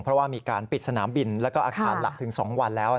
เพราะว่ามีการปิดสนามบินแล้วก็อาคารหลักถึง๒วันแล้ว